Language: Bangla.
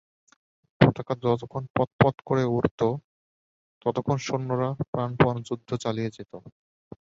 পতাকা যতক্ষণ পতপত করে উড়ত ততক্ষণ সৈন্যরা প্রাণপণ যুদ্ধ চালিয়ে যেত।